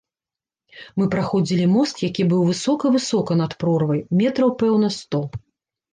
Мы праходзілі мост, які быў высока-высока над прорвай, метраў, пэўна, сто.